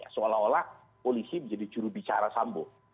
seolah olah polisi menjadi juru bicara sambo